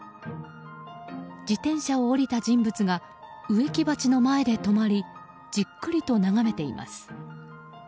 自転車を降りた人物が植木鉢の前で止まりじっくりと眺めています。